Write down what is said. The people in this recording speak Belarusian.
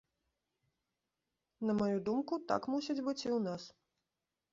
На маю думку, так мусіць быць і ў нас.